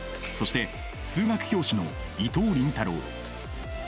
そして数学教師の伊藤倫太郎。